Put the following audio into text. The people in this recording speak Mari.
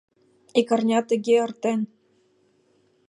Ик арня тыге эртен